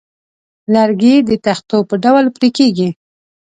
لرګی د تختو په ډول پرې کېږي.